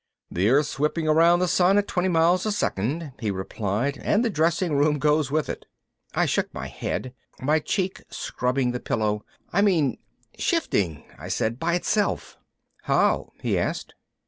"The Earth's whipping around the sun at 20 miles a second," he replied, "and the dressing room goes with it." I shook my head, my cheek scrubbing the pillow, "I mean ... shifting," I said. "By itself." "How?" he asked.